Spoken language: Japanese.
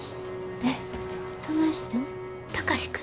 えっどないしたん？